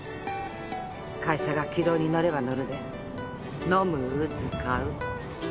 会社が軌道に乗れば乗るで飲む打つ買う。